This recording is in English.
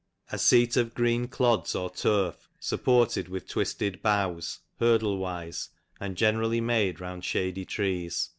'a seat of green clods or turf, supported with twisted boughs (hurdle wise) and gen erally made round shady trees.